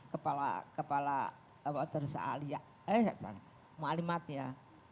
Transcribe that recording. kepala kepala kalau terus ali ya alimati ya